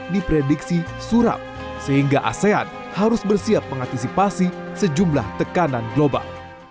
dua ribu dua puluh tiga diprediksi surat sehingga asean harus bersiap mengantisipasi sejumlah tekanan global